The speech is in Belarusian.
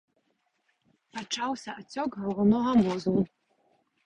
Пачаўся ацёк галаўнога мозгу.